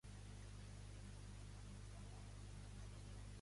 Qui ha suposat una empenta i ha vençut a Barcelona dintre de l'independentisme?